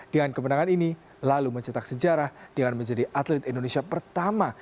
dengan kemenangan ini lalu mencetak sejarah dengan menjadi atlet indonesia pertama